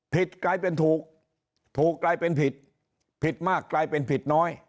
กลายเป็นถูกถูกกลายเป็นผิดผิดมากกลายเป็นผิดน้อย